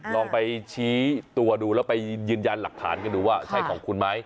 ลองไปชี้ตัวดูแล้วไปยืนยันหลักฐานกันดูว่าใช่ของคุณไหม